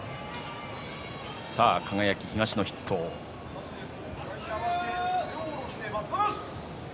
輝、東の筆頭です。